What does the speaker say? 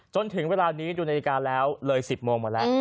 จนถึงเวลานี้ดูนาฬิกาแล้วเลย๑๐โมงมาแล้ว